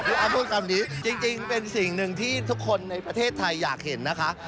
พูดคำนี้จริงเป็นสิ่งหนึ่งที่ทุกคนในประเทศไทยอยากเห็นนะคะ